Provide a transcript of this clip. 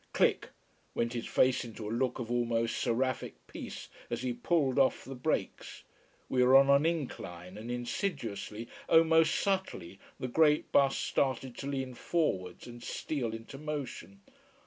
Click! went his face into a look of almost seraphic peace, as he pulled off the brakes. We were on an incline, and insidiously, oh most subtly the great bus started to lean forwards and steal into motion.